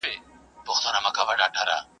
نوښتګر اوسئ او نوي شيان جوړ کړئ.